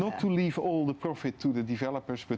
ya bukan untuk meninggalkan semua keuntungan kepada pembangunan